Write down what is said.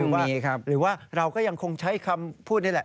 หรือว่าเราก็ยังคงใช้คำพูดนี่แหละ